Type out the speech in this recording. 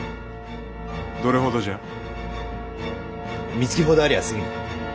みつきほどありゃあすぐに。